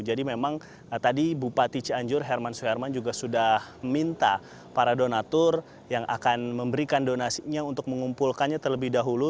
jadi memang tadi bupati cianjur herman suherman juga sudah minta para donator yang akan memberikan donasinya untuk mengumpulkannya terlebih dahulu